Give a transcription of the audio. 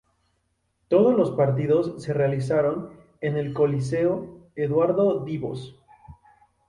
Todos los partidos se realizaron en el Coliseo Eduardo Dibós.